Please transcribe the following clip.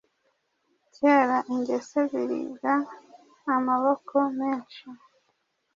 Kera-ingese-ziribwa amaboko menshi